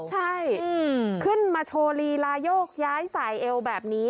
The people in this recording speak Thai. ใช่ขึ้นมาโชว์ลีลายกย้ายสายเอวแบบนี้